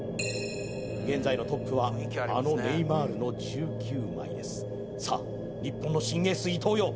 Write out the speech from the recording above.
現在のトップはあのネイマールの１９枚ですさあ日本の新エース伊東よ